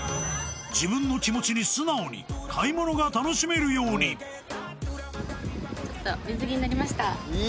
自分の気持ちに素直に買い物が楽しめるようにちょっと水着になりました